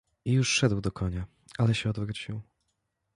"I już szedł do konia, ale się odwrócił."